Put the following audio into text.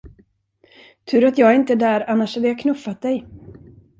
Tur att jag inte är där, annars hade jag knuffat dig!